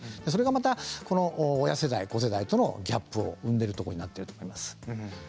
それがまた親世代子世代とのギャップを生んでいるところになっていると思います。